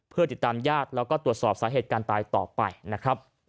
เพื่อติดตามญาติแล้วก็ตรวจสอบสาเหตุการณ์ตายต่อไปนะครับ